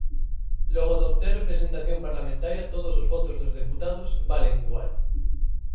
Logo de obter representación parlamentaria todos os votos dos deputados valen igual.